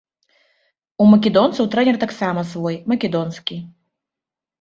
У македонцаў трэнер таксама свой, македонскі.